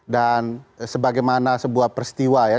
dan sebagaimana sebuah peristiwa ya